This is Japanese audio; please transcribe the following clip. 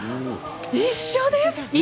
一緒です！